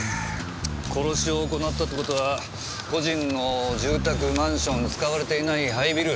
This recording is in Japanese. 殺しを行ったって事は個人の住宅マンション使われていない廃ビル。